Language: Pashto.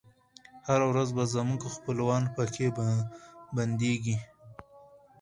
هره ورځ به زموږ خپلوان پکښي بندیږی